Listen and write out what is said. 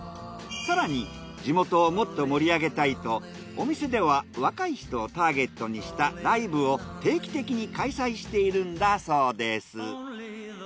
更に地元をもっと盛り上げたいとお店では若い人をターゲットにしたライブを定期的に開催しているんだそうです。